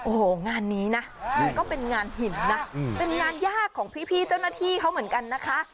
โอ้โหงานนี้นะมันก็เป็นงานหินนะเป็นงานยากของพี่เจ้าหน้าที่เขาเหมือนกันนะคะ